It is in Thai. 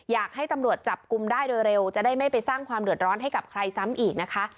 อยากให้ตำรวจจับกลุ่มได้โดยเร็วจะได้ไม่ไปสร้างความเดือดร้อนให้กับใครซ้ำอีกนะคะ